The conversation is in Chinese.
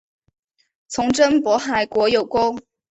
从征渤海国有功。